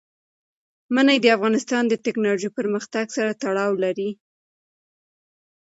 منی د افغانستان د تکنالوژۍ پرمختګ سره تړاو لري.